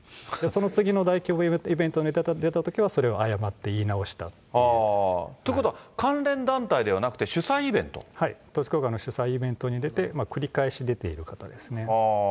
その次の大規模イベントに出たときはそれを誤って言い直したってということは、関連団体でははい、統一教会の主催イベントに出て、繰り返し出ている方ですね。